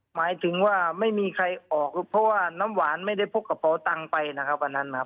หมายถึงว่าไม่มีใครออกเพราะว่าน้ำหวานไม่ได้พกกระเป๋าตังค์ไปนะครับวันนั้นนะครับ